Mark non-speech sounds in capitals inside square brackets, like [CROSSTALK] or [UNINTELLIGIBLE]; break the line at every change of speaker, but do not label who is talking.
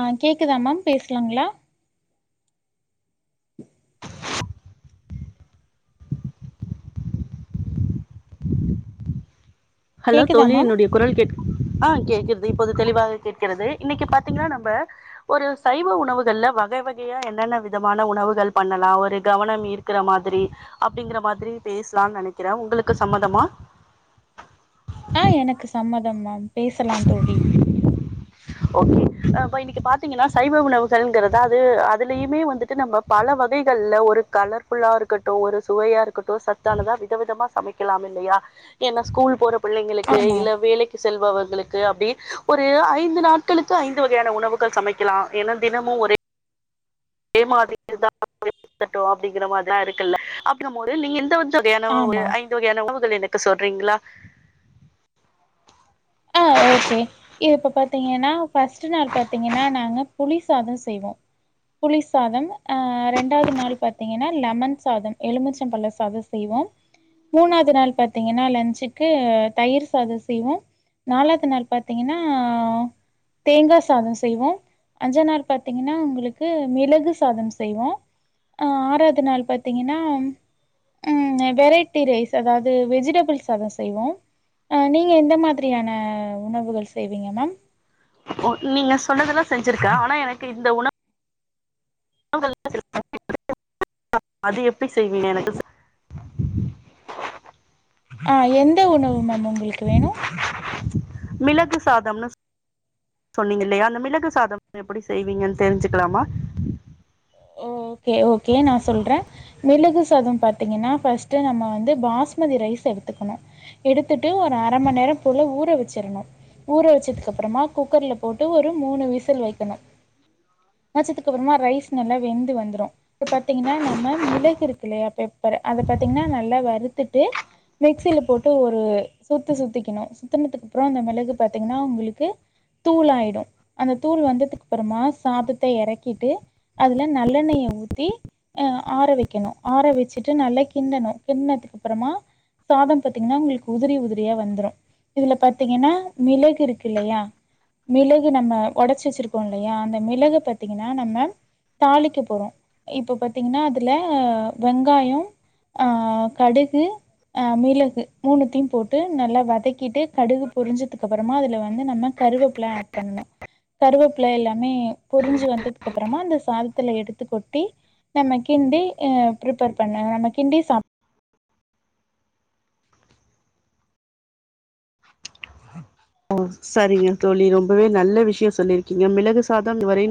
ஆ கேக்குதா ma'am பேஸ்லாங்ளா [INAUDIBLE]
hello
கேக்குதா
தோழி
மேம்
என்னுடய குரல் கேட்க் ஆ கேக்கிற்து இப்போது தெளிவாக கேட்கிறது இன்னைக்கு பாத்தீங்ன்னா நம்ப ஒரு சைவ உணவுகள்ல வக வகயா என்னென்ன விதமான உணவுகள் பண்ணலா ஒரு கவனம் ஈர் க்கிற மாதிரி அப்டிங்கிற மாதிரி பேசஸ்லான் நெனைக்கிறே உங்களுக்கு சம்மதமா
ஆ எனக்கு சம்மதமாம் பேசலா தோழி
ஓகே அ ப இப்ப இன்னிக்கி பாத்தீங்கனா சைவ உணவுகள்ங்கறது அது அதுலியுமே வந்துட்டு நம்ம பல வகைகள்ல ஒரு கலர்ஃபுல்லா இருக்கட்டு ஒரு சுவையா இருக்கட்டு சத்தானதா விதவிதமா சமை க்கிலாம் இல்லயா ஏனா ஸ்கூல் போற பிள்ளைங்களுக்கு
ஆமா
இல்ல வேலைக்கு செல்பவர்களுக்கு அப்டி ஒரு ஐந்து நாட் களுக்கு ஐந்து வகையான உணவுகள் சமைக்கலா ஏனா தினமு ஒரே அதே மாரி [UNINTELLIGIBLE] அப்டிங்கிற மாரிதா இருக்குல்ல அப்டிங்கமோது நீங்க எந்த வ
ஆமா
ஐந்து வகையான உணவுகள் எனக்கு சொல்றீங்ளா
ஆ ஓகே இது இப்போ பாத்தீங்கனா ஃபஸ்ட்டு நாள் பாத்திங்கனா நாங்க புளி சாதோ செய்வோ புளி சாதம் ஆ ரெண்டாது நாளு பாத்தீங்கனா லெமன் சாதம் எலுமிச்சபழ சாதோ செய்வோ மூனாவ்து நாள் பாத்தீங்கனா லஞ்சுக்கு தயிர் சாதோ செய்வோ நாலாது நாள் பாத்தீங்கனா தேங்கா சாதோ செய்வோ அஞ்சா நாள் பாத்தீங்கனா உங்குளுக்கு மிளகு சாதம் செய்வோ அ ஆறாவ்து நாள் பாத்தீங்கனா ம் வெரைட்டி ரைஸ் அதாவ்து வெஜிடபிள்ஸ் சாதோ செய்வோ அ நீங்க எந்த மா திரியான உணவுகள் செய்வீங்க மேம்
ஒ நீங்க சொன்னதெல்லா செஞ்சிருக்க ஆனா எனக்கு இந்த உண அது எப்டி செய்வீங்க எனக்கு
ஆ எந்த உணவு மேம் உங்களுக்கு வேணு
மிளகு சாதம்னு சொன்னீங்க இல்லயா அந்த மிளகு சாதம் எப்படி செய்வீங்கன் தெரிஞ்சுக்லாமா
ஓகே ஓகே நா சொல்றே மிளகு சாதம் பாத்தீங்கெனா ஃபஸ்ட்டு நம்ம வந்து பாஸ்மதி ரைஸ் எடுத்துக்குனு எடுத்துட்டு ஒரு அர மண் நேரம் போல ஊற வெச்சிறணு ஊற வெச்சதுக்கப்பறமா குக்கர்ல போட்டு ஒரு மூணு விசில் வைக்கணு வெச்சதுக்கப்பறமா ரைஸ் நல்லா வெந்து வந்துரு இப்ப பாத்தீங்கனா நம்ம மிளகு இருக்கு இல்லயா பெப்பரு அத பாத்தீங்ன்னா நல்லா வறுத்துட்டு மிக்சில போட்டு ஒரு சுத்து சுத்திக்கிணு சுத்தனதுக்கப்றோ அந்த மிளகு பாத்தீங்கனா உங்குளுக்கு தூளாயிடு அந்த தூளு வந்ததுக்கப்றமா சாதத்த எறக்கிட்டு அதுல நல்லெண்ணெய ஊத்தி அ ஆற வெக்கிணு ஆற வெச்சுட்டு நல்லா கிண்டனு கிண்ட்னதுக்கப்பறமா சாதோ பாத்தீங்ன்னா உங்களுக்கு உதிரி உதிரியா வந்துரு இதுல பாத்தீங்கனா மிளகு இருக்கு இல்லயா மிளகு நம்ம ஒடைச்சு வெச்சிருப்போ இல்லயா அந்த மிளகு பத்தீங்கனா நம்ம தாளிக்க போறோ இப்ப பத் த்தீங்கன்னா அதுல வெங்காயோ ஆ கடுகு ஆ மிளகு மூனுத்தியு போட்டு நல்லா வதக்கிட்டு கடுகு பொரிஞ்சதுக்கப்பறமா அதுல வந்து நம்ம கருவேப்ல ஆட் பன்னலா கருவேப்ல எல்லாமே பொரிஞ்சு வந்ததுக்கப்புறோமா சாதத்துல எடுத்து கொட்டி நம்ம கிண்டி பிரிப்பர் பண்ண நம்ம கிண்டி சாப் [INAUDIBLE]
ஓ சரிங்க தோழி ரொம்பவே நல்ல விஷயோ சொல்லிருக்கீங்க மிளகு சாதம் இது வரை